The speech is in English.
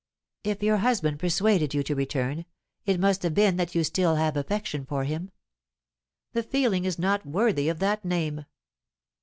"If your husband persuaded you to return, it must have been that you still have affection for him." "The feeling is not worthy of that name."